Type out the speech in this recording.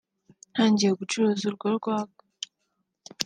ntangiye gucuruza urwo rwagwa